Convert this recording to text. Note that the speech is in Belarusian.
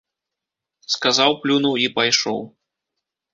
Сказаў, плюнуў і пайшоў.